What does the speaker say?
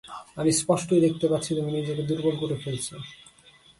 আমি স্পষ্টই দেখতে পাচ্ছি তুমি নিজেকে দুর্বল করে ফেলছ।